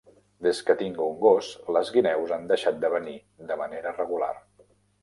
Des que tinc un gos, les guineus han deixat de venir de manera regular.